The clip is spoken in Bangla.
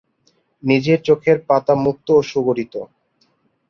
নিচের চোখের পাতা মুক্ত ও সুগঠিত।